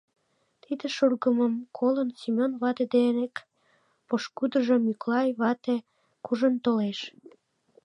Тиде шургымым колын, Семён вате дек пошкудыжо, Мӱклай вате, куржын толеш.